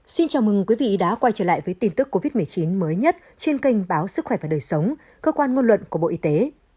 xin chào mừng quý vị đã quay trở lại với tin tức covid một mươi chín mới nhất trên kênh báo sức khỏe và đời sống cơ quan ngôn luận của bộ y tế